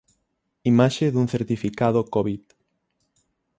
Imaxe dun certificado Covid.